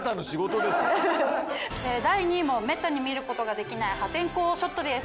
第２位もめったに見ることができない破天荒ショットです。